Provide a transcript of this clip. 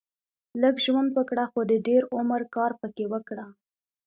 لږ ژوند وګړهٔ خو د دېر عمر کار پکښي وکړهٔ